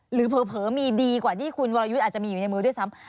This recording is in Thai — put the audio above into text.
เผลอมีดีกว่าที่คุณวรยุทธ์อาจจะมีอยู่ในมือด้วยซ้ำ